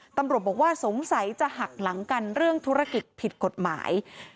ตำรวจบอกว่าสงสัยจะหักหลังกันเรื่องธุรกิจผิดกฎหมาย